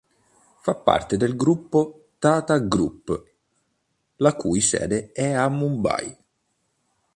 Fa parte del gruppo Tata Group la cui sede è a Mumbai.